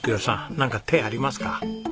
なんか手ありますか？